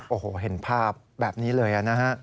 โอ้โหเห็นภาพแบบนี้เลยนะฮะ